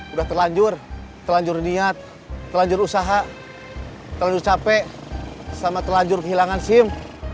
udah terlanjur terlanjur niat terlanjur usaha terlanjur capek sama terlanjur kehilangan sim